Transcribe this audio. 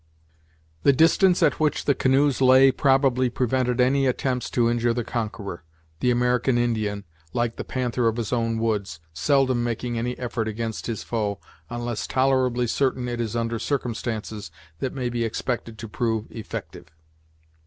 The distance at which the canoes lay probably prevented any attempts to injure the conqueror, the American Indian, like the panther of his own woods, seldom making any effort against his foe unless tolerably certain it is under circumstances that may be expected to prove effective.